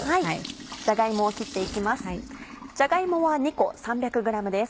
じゃが芋を切って行きます。